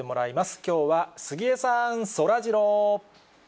きょうは杉江さん、そらジロー。